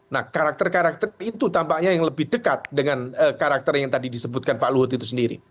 nah karakter karakter itu tampaknya yang lebih dekat dengan karakter yang tadi disebutkan pak luhut itu sendiri